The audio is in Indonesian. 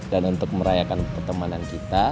dan untuk merayakan pertemanan kita